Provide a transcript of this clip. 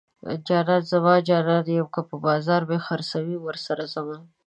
جانان زما زه د جانان یم که په بازار مې خرڅوي ورسره ځمه